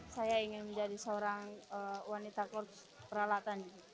saya ingin menjadi seorang wanita korps peralatan